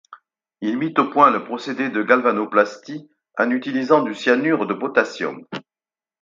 Il mit au point le procédé de galvanoplastie en utilisant du cyanure de potassium.